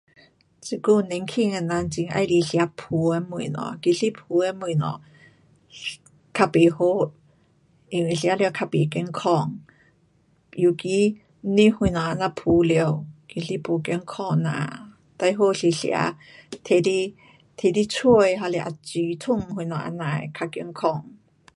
这久年轻的人很喜欢吃炸的东西。其实炸的东西，um 较不好。因为吃了较不健康。尤其肉什么这样炸了，其实不健康呐。最好是吃拿来，拿来蒸还是煮汤什么这样的较健康。